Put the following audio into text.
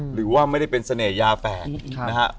หรือว่าไม่ได้เป็นเสน่หยาแฝดนะฮะ